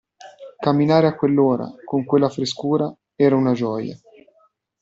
Camminare a quell'ora, con quella frescura, era una gioia.